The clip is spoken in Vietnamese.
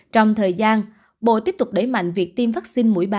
trong thời gian bộ tiếp tục đẩy mạnh việc tiêm vaccine mũi ba